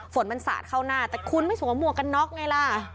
ฝนมันสาดเข้าหน้าแต่คุณไม่สวมหวกกันน็อกไงล่ะ